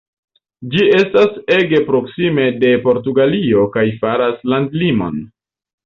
Ĝi estas ege proksime de Portugalio kaj faras landlimon.